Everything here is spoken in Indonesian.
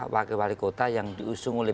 wakil wali kota yang diusung oleh